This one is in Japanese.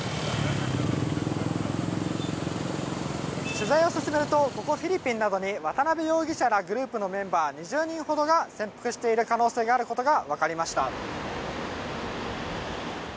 取材を進めるとここフィリピンなどに渡邉容疑者らのグループのメンバー２０人ほどが潜伏している可能性があることが分かりました。